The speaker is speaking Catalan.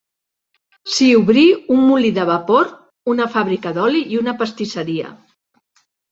S'hi obrí un molí de vapor, una fàbrica d'oli i una pastisseria.